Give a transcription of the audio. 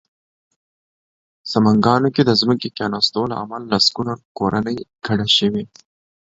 سمنګانو کې د ځمکې کېناستو له امله لسګونه کورنۍ کډه شوې